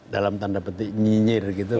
dalam tanda petik nyinyir gitu